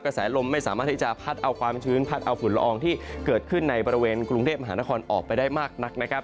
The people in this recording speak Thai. แสลมไม่สามารถที่จะพัดเอาความชื้นพัดเอาฝุ่นละอองที่เกิดขึ้นในบริเวณกรุงเทพมหานครออกไปได้มากนักนะครับ